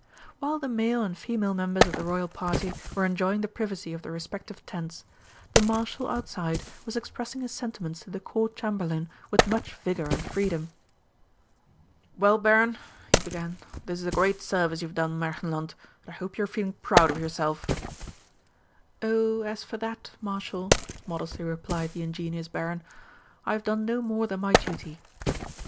While the male and female members of the Royal Party were enjoying the privacy of their respective tents, the Marshal outside was expressing his sentiments to the Court Chamberlain with much vigour and freedom. "Well, Baron," he began, "this is a great service you have done Märchenland, and I hope you are feeling proud of yourself!" "Oh, as for that, Marshal," modestly replied the ingenuous Baron, "I have done no more than my duty."